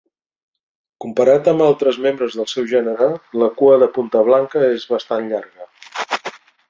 Comparat amb altres membres del seu gènere, la cua de punta blanca és bastant llarga.